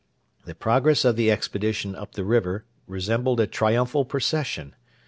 The progress of the expedition up the river resembled a triumphal procession.